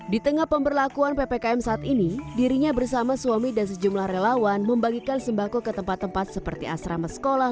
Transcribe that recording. di tengah pemberlakuan ppkm saat ini dirinya bersama suami dan sejumlah relawan membagikan sembako ke tempat tempat seperti asrama sekolah